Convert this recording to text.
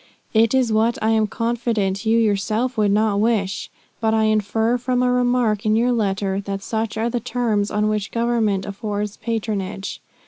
It is what I am confident you yourself would not wish; but I infer from a remark in your letter that such are the terms on which Government affords patronage.